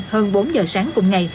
hơn bốn giờ sáng cùng ngày